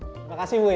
terima kasih bu